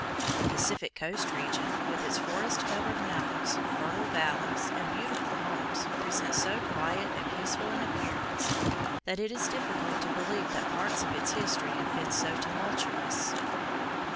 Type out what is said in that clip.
The Pacific coast region, with its forest covered mountains, fertile valleys, and beautiful homes, presents so quiet and peaceful an appearance that it is difficult to believe that parts of its history have been so tumultuous.